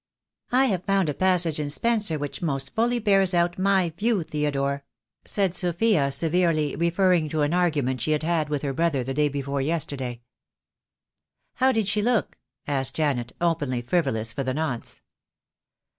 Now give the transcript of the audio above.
"I have found a passage in Spencer which most fully bears out my view, Theodore," said Sophia, severely, THE DAY WILL COME. 27 referring to an argument she had had with her brother the day before yesterday. "How did she look?" asked Janet, openly frivolous for the nonce.